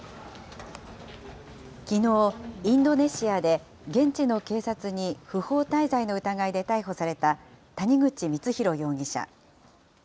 きのう、インドネシアで、現地の警察に不法滞在の疑いで逮捕された谷口光弘容疑者。